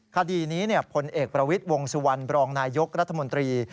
คดีนี้พลเอกประวิทย์วงสุวรรณบรองนายยกรัฐมนตรี